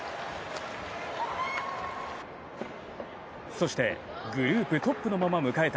そして、グループトップのまま迎えた